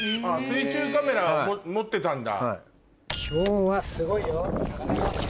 水中カメラ持ってたんだ。